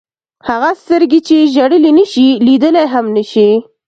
هغه سترګې چې ژړلی نه شي لیدلی هم نه شي.